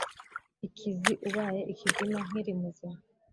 ikizi ubaye ikizima nkiri muzima